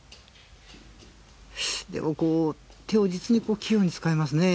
でも、手を実に器用に使いますね。